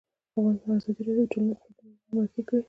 ازادي راډیو د ټولنیز بدلون اړوند مرکې کړي.